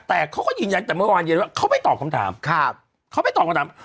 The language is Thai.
ตั้งแต่เมื่อวานเย็นว่าเขาไม่ตอบคำถามครับเขาไม่ตอบคำถาม